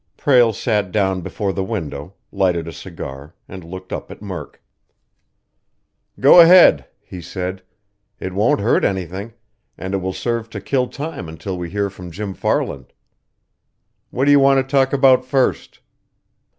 Prale sat down before the window, lighted a cigar, and looked up at Murk. "Go ahead," he said. "It won't hurt anything, and it will serve to kill time until we hear from Jim Farland. What do you want to talk about first?"